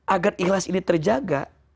agar ikhlas ini terjaga